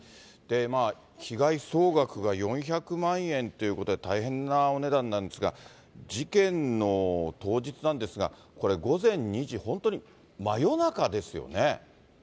被害総額が４００万円っていうことで、大変なお値段なんですが、事件の当日なんですが、これ、午前２時、本当に真夜中ですよね。